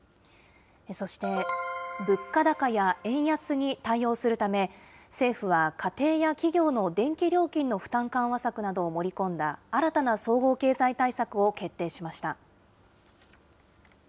そして物価高や円安に対応するため、政府は家庭や企業の電気料金の負担緩和策などを盛り込んだ新たな総合経済対策を決定しました。